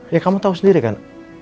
ya kamu tahu sendiri kan